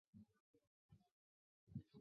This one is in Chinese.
各年度的使用人数如下表。